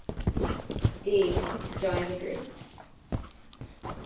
D., joined the group.